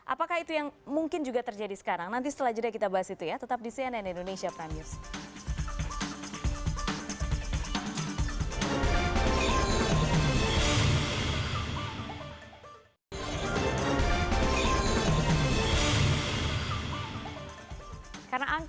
apakah itu yang mungkin juga terjadi sekarang nanti setelah jeda kita bahas itu ya tetap di cnn indonesia prime news